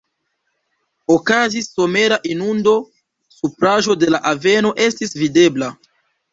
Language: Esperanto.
Okazis somera inundo, supraĵo de la aveno estis videbla.